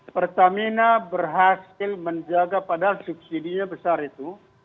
pertamina berhasil menjaga padahal subsidi nya besar itu